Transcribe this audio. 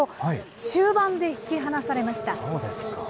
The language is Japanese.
終盤で引き離されました。